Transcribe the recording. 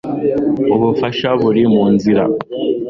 ubufasha buri munzira